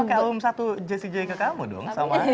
sama kayak album satu jessie j ke kamu dong